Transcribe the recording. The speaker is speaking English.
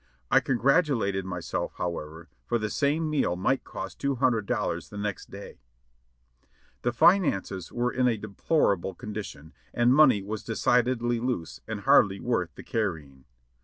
I congratulated myself, however, for the same meal might cost two hundred dollars the next day. Quien sabef The finances were in a deplorable condition, and money was decidedly "loose" and hardly worth the carrying.